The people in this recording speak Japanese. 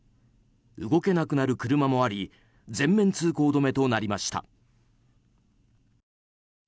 動けなくなる車もあり全面通行止めとなりました。